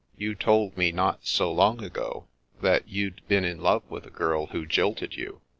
" You told me not so long ago that you'd been in love with a girl who jilted you.